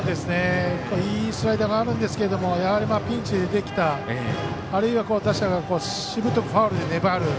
いいスライダーがあるんですけどもやはりピンチで出てきたあるいは打者がしぶとくファウルで粘る。